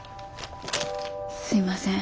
すいません。